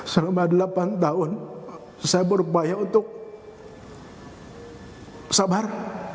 selama delapan tahun saya berupaya untuk sabar